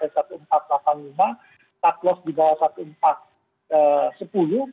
satlos di bawah satu empat ratus sepuluh